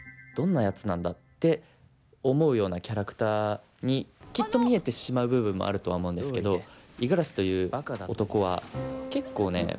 どんなやつなんだ」って思うようなキャラクターにきっと見えてしまう部分もあるとは思うんですけど五十嵐という男は結構ね